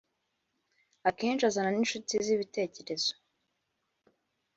akenshi azana n'inshuti zibitekerezo